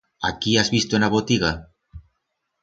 A quí has visto en a botiga?